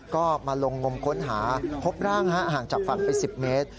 ก็มาลงงมค้นหาพบร่างห่างจากฝั่งไป๑๐เมตร